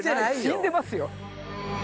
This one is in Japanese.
死んでますよ。